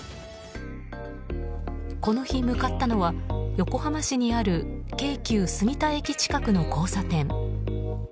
この日、向かったのは横浜市にある京急杉田駅近くの交差点。